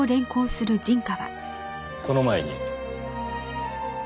その前に。